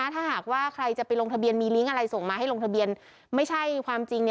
ถ้าหากว่าใครจะไปลงทะเบียนมีลิงก์อะไรส่งมาให้ลงทะเบียนไม่ใช่ความจริง